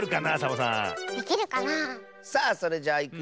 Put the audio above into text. さあそれじゃいくよ。